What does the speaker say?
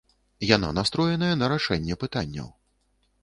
Яна настроеная на рашэнне пытанняў.